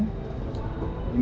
ini adalah sepotongan